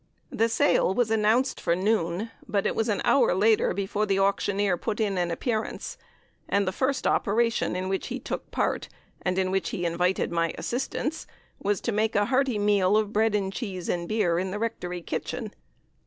The sale was announced for noon, but it was an hour later before the auctioneer put in an appearance, and the first operation in which he took part, and in which he invited my assistance, was to make a hearty meal of bread and cheese and beer in the rectory kitchen.